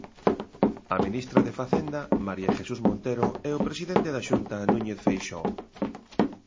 A ministra de Facenda, María Jesús Montero, e o presidente da Xunta, Núñez Feixóo.